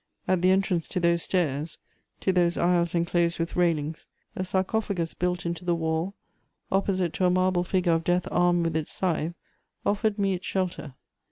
At the entrance to those stairs, to those aisles enclosed with railings, a sarcophagus built into the wall, opposite to a marble figure of death armed with its scythe, offered me its shelter.